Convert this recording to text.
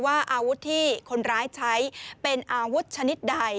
ว่าอาวุธที่คนร้ายใช้เป็นอาวุธชนิดใด